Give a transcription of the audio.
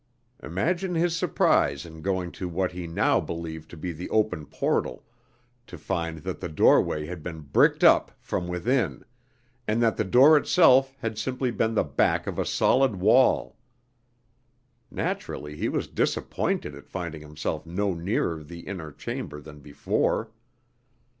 Imagine his surprise in going to what he now believed to be the open portal, to find that the doorway had been bricked up from within, and that the door itself had simply been the back of a solid wall. Naturally, he was disappointed at finding himself no nearer the inner chamber than before.